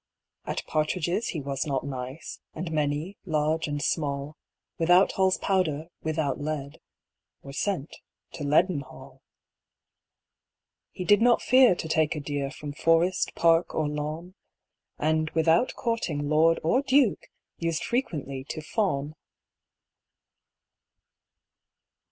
At partridges he was not nice; And many, large and small, Without Hall's powder, without lead, Were sent to Leaden Hall. He did not fear to take a deer From forest, park, or lawn; And without courting lord or duke, Used frequently to fawn.